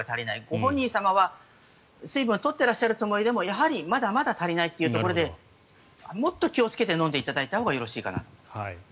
ご本人様は水分を取ってるつもりでもやはりまだまだ足りないというところでもっと気をつけて飲んでいただいたほうがいいかなと思います。